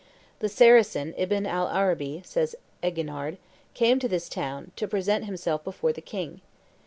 "The Saracen Ibn al Arabi," says Eginhard, "came to this town, to present himself before the king.